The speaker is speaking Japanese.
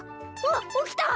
あっ起きた！